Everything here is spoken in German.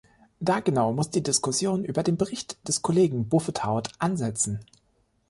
Da genau muss die Diskussion über den Bericht des Kollegen Buffetaut ansetzen.